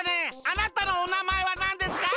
あなたのおなまえはなんですか？